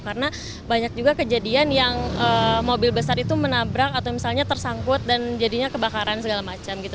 karena banyak juga kejadian yang mobil besar itu menabrak atau misalnya tersangkut dan jadinya kebakaran segala macam gitu